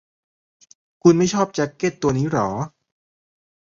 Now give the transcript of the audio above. คุณไม่ชอบแจ๊คเก็ตตัวนี้หรอ